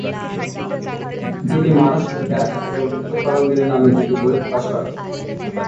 তিনি মানস বিকাশ এবং দুঃখ তরঙ্গিনী নামে দুটি বই প্রকাশ করেন।